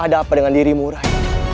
ada apa dengan dirimu rai